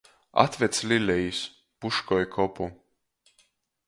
Atveds lilejis, puškoj kopu.